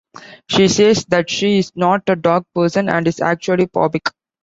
She says that she is not a dog person and is actually phobic.